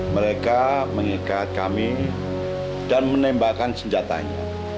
mereka mengikat kami dan menembakkan senjatanya